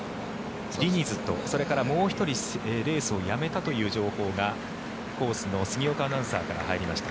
ディニズと、それからもう１人レースをやめたという情報がコースの杉岡アナウンサーから入りました。